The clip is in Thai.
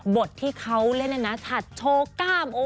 บทที่เขาเล่นดีนะฉัดโชก้าม